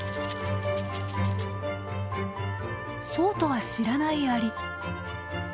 そうとは知らないアリ。